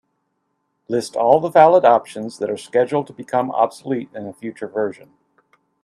List all the valid options that are scheduled to become obsolete in a future version.